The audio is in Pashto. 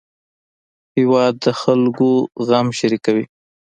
هېواد د خلکو غم شریکوي